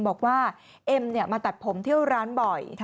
บอกว่าเอ็มมาตัดผมเที่ยวร้านบ่อย